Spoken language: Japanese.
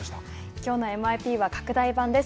きょうのＭＩＰは拡大版です。